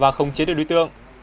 và không chế được đối tượng